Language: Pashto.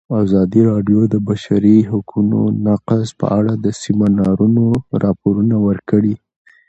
ازادي راډیو د د بشري حقونو نقض په اړه د سیمینارونو راپورونه ورکړي.